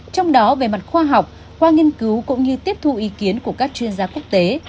trong đó về mặt khoa học qua nghiên cứu cũng như tiếp thu ý kiến của các chuyên gia quốc tế